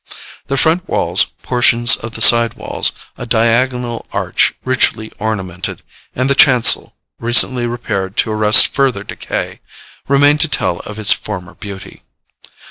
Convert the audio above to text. The front walls, portions of the side walls, a diagonal arch richly ornamented, and the chancel recently repaired to arrest further decay, remain to tell of its former beauty.